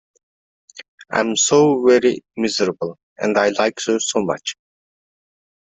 I am so very miserable, and I like you so much!